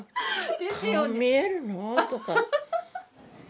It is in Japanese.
「顔見えるの？」とか。